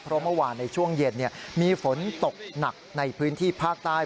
เพราะเมื่อวานในช่วงเย็นมีฝนตกหนักในพื้นที่ภาคใต้